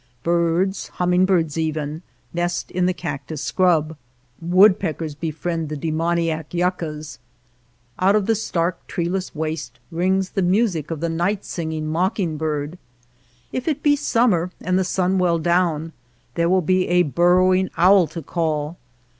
Birds, hummingbirds even, nest in the cactus scrub ; woodpeckers befriend the demoniac yuccas ; out of the stark, treeless waste rings the music of the night singing mockingbird. If it be summer and the sun well down, there will be a burrowing owl to call.